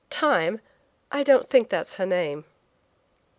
"Time? I don't think that's her name."